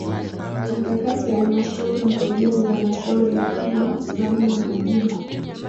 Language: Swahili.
Mikakati ya halmashauri Mkurugenzi wa Halmashauri ya Kilwa Zablon Bugingo